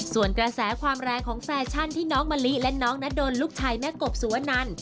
ส่วนกระแสความแรงของแฟชั่นที่น้องมะลิและน้องนาดนลูกชายแม่กบสุวนัน